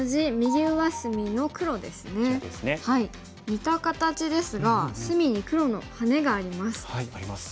似た形ですが隅に黒のハネがあります。